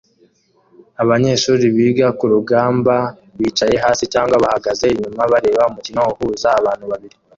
Abanyeshuri biga kurugamba bicaye hasi cyangwa bahagaze inyuma bareba umukino uhuza abantu babiri